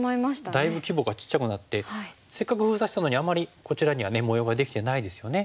だいぶ規模がちっちゃくなってせっかく封鎖したのにあんまりこちらには模様ができてないですよね。